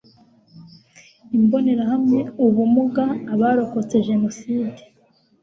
imbonerahamwe ubumuga abarokotse jenoside